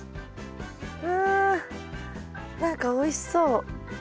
わ何かおいしそう。